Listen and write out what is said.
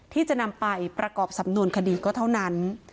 ที่จะนำไปประกอบสำนวนคดีก็เท่านั้น